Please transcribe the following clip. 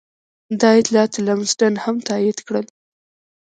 دا اطلاعات لمسډن هم تایید کړل.